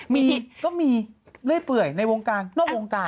มีก็มีเรื่อยเปื่อยในวงการนอกวงการ